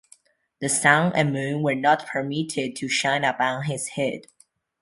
The sun and moon were not permitted to shine upon his head.